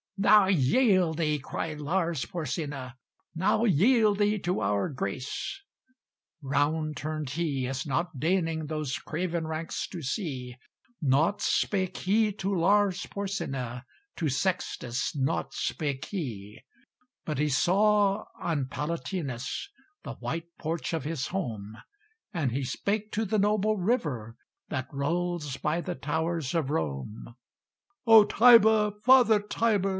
"Now yield thee," cried Lars Porsena, "Now yield thee to our grace." Round turned he, as not deigning Those craven ranks to see; Nought spake he to Lars Porsena, To Sextus nought spake he; But he saw on Palatinus The white porch of his home; And he spake to the noble river That rolls by the towers of Rome. "O Tiber! father Tiber!